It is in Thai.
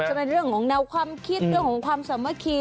จะเป็นเรื่องของแนวความคิดเรื่องของความสามัคคี